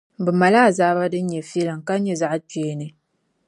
bɛ mali azaaba din nyɛ filiŋ, ka nyɛ zaɣikpeeni.